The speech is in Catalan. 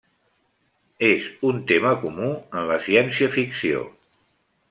És un tema comú en la ciència-ficció.